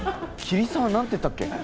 桐沢なんていったっけ？